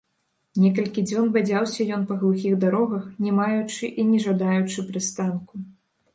Некалькі дзён бадзяўся ён па глухіх дарогах, не маючы і не жадаючы прыстанку.